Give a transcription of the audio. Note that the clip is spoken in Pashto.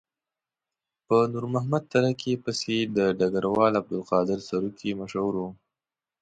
په نور محمد تره کي پسې یې د ډګروال عبدالقادر سروکي مشهور وو.